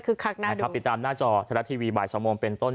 คือคลักหน้าดูติดตามหน้าจอทะลัดทีวีบ่ายสามโมงเป็นต้น